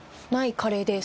カレーです。